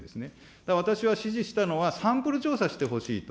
だから私が指示したのは、サンプル調査してほしいと。